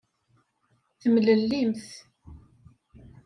Temlellimt.